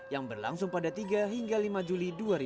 yang berlangsung pada tiga hingga lima juli dua ribu dua puluh